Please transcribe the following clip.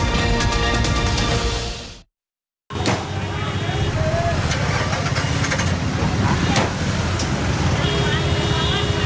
สวัสดีครับทุกคน